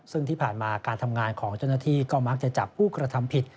ซึ่งที่ผ่านมาการทำงานของเจ้าหน้าที่ก็มักจะจับผู้กระทำผิด